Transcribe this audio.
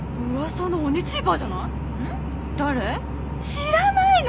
知らないの！？